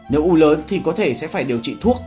nếu u lớn thì có thể sẽ phải điều trị thuốc